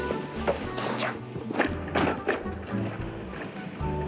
よいしょ。